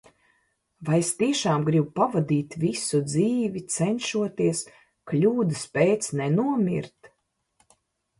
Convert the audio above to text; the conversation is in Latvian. Vai es tiešām gribu pavadīt visu dzīvi, cenšoties kļūdas pēc nenomirt?